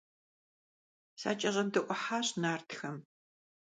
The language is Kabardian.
СакӀэщӀэдэӀухьащ нартхэм.